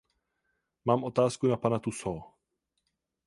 Mám otázku na pana Toussase.